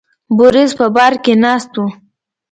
بوریس په بار کې ناست و.